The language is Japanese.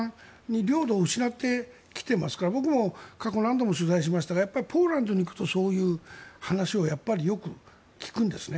領土を失ってきていますから僕も過去、何度も取材しましたがポーランドに行くとそういう話をよく聞くんです。